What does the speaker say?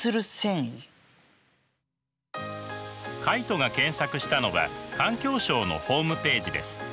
カイトが検索したのは環境省のホームページです。